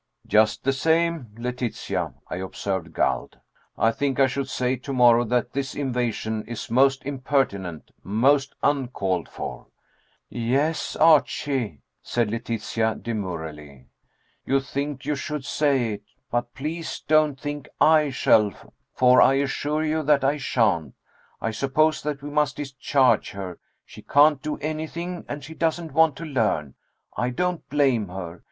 "Just the same, Letitia," I observed, galled, "I think I should say to morrow that this invasion is most impertinent most uncalled for." "Yes, Archie," said Letitia demurely, "you think you should say it. But please don't think I shall, for I assure you that I shan't. I suppose that we must discharge her. She can't do anything and she doesn't want to learn. I don't blame her.